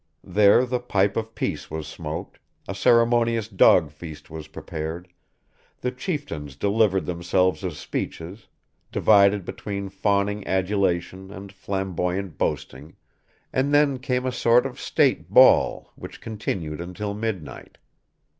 There the pipe of peace was smoked, a ceremonious dog feast was prepared; the chieftains delivered themselves of speeches, divided between fawning adulation and flamboyant boasting; and then came a sort of state ball, which continued until midnight.